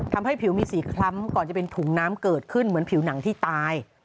ทำให้ผิวมีสีคล้ำก่อนจะเป็นถุงน้ำเกิดขึ้นเหมือนผิวหนังที่ตาย